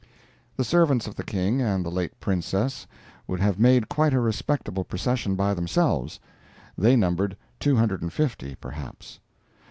The servants of the King and the late Princess would have made quite a respectable procession by themselves. They numbered two hundred and fifty, perhaps.